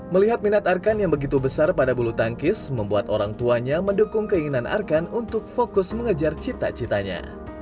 melihat minat arkan yang begitu besar pada bulu tangkis membuat orang tuanya mendukung keinginan arkan untuk fokus mengejar cita citanya